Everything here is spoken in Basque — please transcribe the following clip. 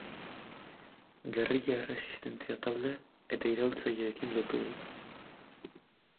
Gerrilla erresistentzia talde eta iraultzaileekin lotu ohi da.